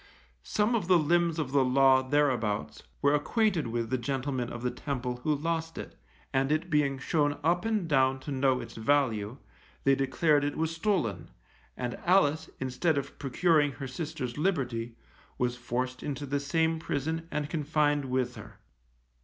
Some of the limbs of the Law thereabouts, were acquainted with the gentleman of the Temple who lost it, and it being shown up and down to know its value, they declared it was stolen, and Alice, instead of procuring her sister's liberty, was forced into the same prison, and confined with her.